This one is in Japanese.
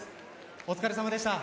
お疲れさまでした。